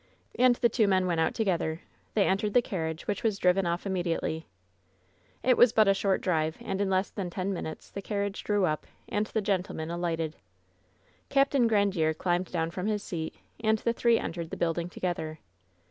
And the two men went out together. They entered the carriage, which was driven off immediately. It was but a short drive, and in less than ten minutes the carriage drew up, and the gentlemen alighted. Capt. Grandiere climbed down from his seat, and the three entered the building together.